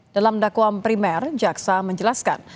dalam dakwaan primer jaksa menjelaskan